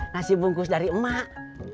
nasi bungkus dari emak